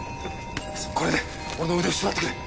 これで俺の腕を縛ってくれ。